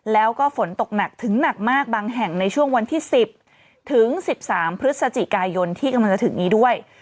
แล้วก็ฝนตกหนักถึงหนักมากบางแห่งในช่วงวันที่๑๐ถึง๑๓พฤศจิกายนที่กำลังจะถึงนี้ด้วย